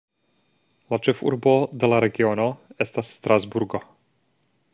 La ĉefurbo de la regiono estas Strasburgo.